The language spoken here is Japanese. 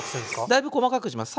だいぶ細かくします。